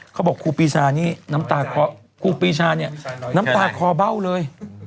เขาบอกครูปรีชานี่น้ำตาคอเบ้าเลย